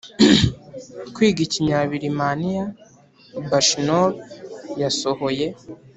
kwiga ikinyabirimaniya bashiKnorr yasohoye